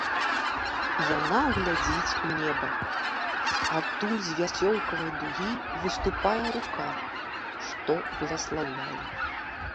Яна глядзіць у неба, адкуль з вясёлкавай дугі выступае рука, што бласлаўляе.